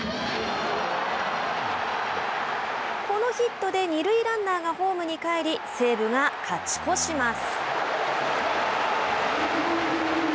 このヒットで二塁ランナーがホームに帰り西武が勝ち越します。